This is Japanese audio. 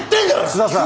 楠田さん。